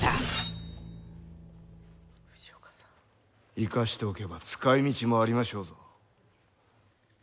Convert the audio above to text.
生かしておけば使いみちもありましょうぞ。